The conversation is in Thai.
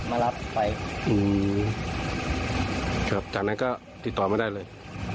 มารับไปอืมครับจากนั้นก็ติดต่อไม่ได้เลย